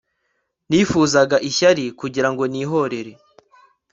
Nifuzaga ishyari kugira ngo nihorere